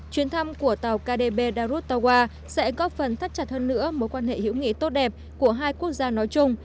chuyến thăm của tàu kdb darustawa sẽ góp phần thắt chặt hơn nữa mối quan hệ hữu nghị tốt đẹp của hai quốc gia nói chung